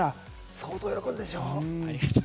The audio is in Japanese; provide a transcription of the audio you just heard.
相当、喜んだでしょう。